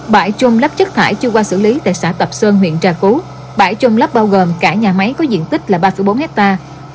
bãi chôm lắp chất thải chưa qua xử lý tại xã tập sơn huyện trà cú bãi chôm lắp bao gồm cả nhà máy có diện tích là ba bốn hectare